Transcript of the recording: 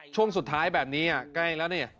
ช่วงสุดท้ายแบบนี้ใกล้แล้วเนี่ย